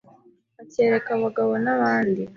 Akereka abagabo n'abandi